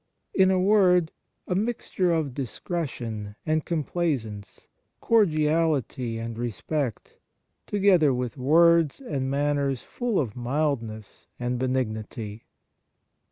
In a word, a mixture of discretion and complaisance, cordiality and respect, together with words and manners full of mildness and benignity.